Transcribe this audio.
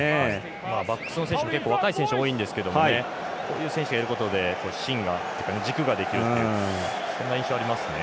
バックスの選手、結構若い選手が多いんですけどこういう選手がいることで軸ができるのでそんな印象ありますね。